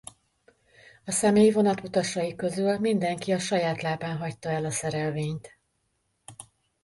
A személyvonat utasai közül mindenki a saját lábán hagyta el a szerelvényt.